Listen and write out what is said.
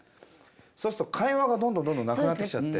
そうすると会話がどんどんどんどんなくなってきちゃって。